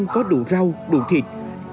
có đủ rau đủ thịt